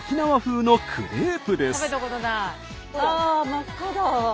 真っ赤だ！